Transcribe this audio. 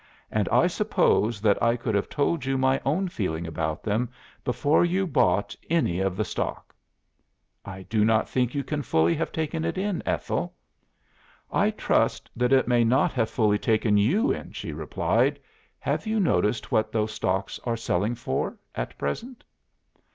And I wish that I could have told you my own feeling about them before you bought any of the stock.'" "'I do not think you can fully have taken it in, Ethel.'" "'I trust that it may not have fully taken you in,' she replied. 'Have you noticed what those stocks are selling for at present?